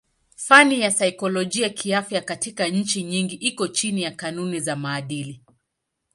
Fani ya saikolojia kiafya katika nchi nyingi iko chini ya kanuni za maadili.